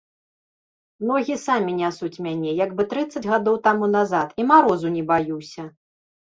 Ногі самі нясуць мяне, як бы трыццаць гадоў таму назад, і марозу не баюся!